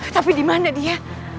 tapi di mana dia